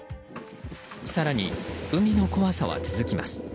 更に、海の怖さは続きます。